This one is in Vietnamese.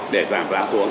để giảm giá xuống